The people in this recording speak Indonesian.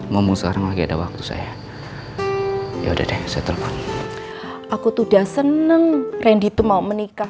momo sekarang lagi ada waktu saya ya udah deh setelah aku tuh udah seneng rendy itu mau menikah